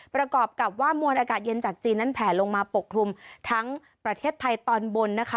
ประกอบกับว่ามวลอากาศเย็นจากจีนนั้นแผลลงมาปกคลุมทั้งประเทศไทยตอนบนนะคะ